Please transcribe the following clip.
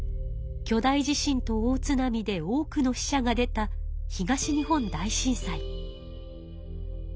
巨大地震と大津波で多くの死者が出た東日本大震災。